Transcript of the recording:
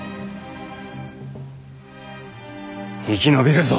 生き延びるぞ！